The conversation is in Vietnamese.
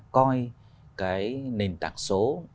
coi cái nền tảng số